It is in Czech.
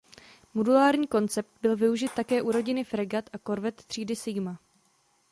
Modulární koncept byl využit také u rodiny fregat a korvet třídy "Sigma".